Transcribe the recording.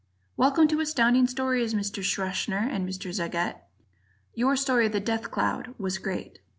Welcome to Astounding Stories, Mr. Schachner and Mr. Zagat. Your story "The Death Cloud" was great.